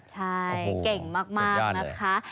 ใช่เก่งมากนะคะ